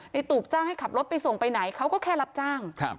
ตูบจ้างให้ขับรถไปส่งไปไหนเขาก็แค่รับจ้าง